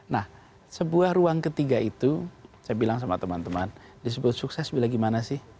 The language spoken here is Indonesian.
nah sebuah ruang ketiga itu saya bilang sama teman teman disebut sukses bila gimana sih